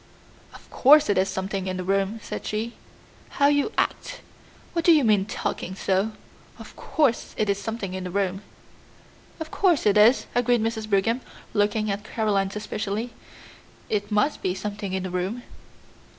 "Of course it is something in the room," said she. "How you act! What do you mean talking so? Of course it is something in the room." "Of course it is," agreed Mrs. Brigham, looking at Caroline suspiciously. "It must be something in the room."